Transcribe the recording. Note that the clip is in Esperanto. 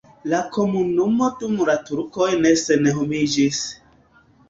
La komunumo dum la turkoj ne senhomiĝis.